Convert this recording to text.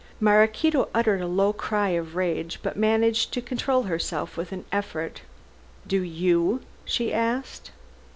Maraquito uttered a low cry of rage, but managed to control herself with an effort. "Do you?" she asked.